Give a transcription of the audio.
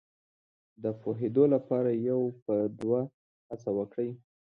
د پوهېدو لپاره یو په دوه هڅه وکړي.